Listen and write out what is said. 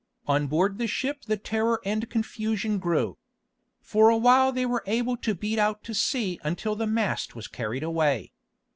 On board the ship the terror and confusion grew. For a while they were able to beat out to sea until the mast was carried away.